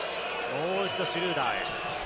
もう一度シュルーダーへ。